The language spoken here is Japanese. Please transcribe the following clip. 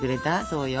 そうよ。